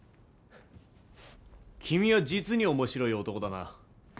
君は実に面白い男だな